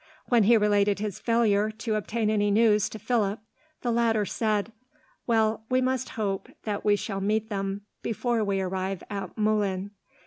When he related his failure to obtain any news to Philip, the latter said: "Well, we must hope that we shall meet them before we arrive at Moulins.